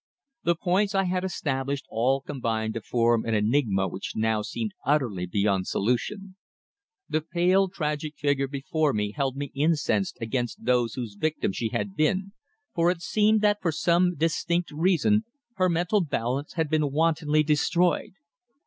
The points I had established all combined to form an enigma which now seemed utterly beyond solution. The pale tragic figure before me held me incensed against those whose victim she had been, for it seemed that for some distinct reason her mental balance had been wantonly destroyed.